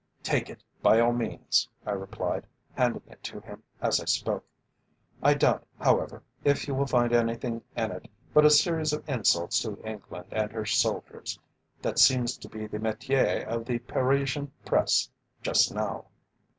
"Take it by all means," I replied, handing it to him as I spoke. "I doubt, however, if you will find anything in it but a series of insults to England and her soldiers. That seems to be the metier of the Parisian Press just now."